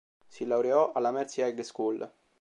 Si laureò alla Mercy High School.